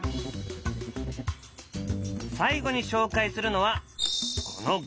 最後に紹介するのはこの画びょう。